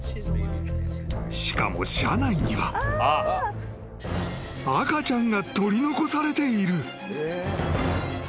［しかも車内には赤ちゃんが取り残されている］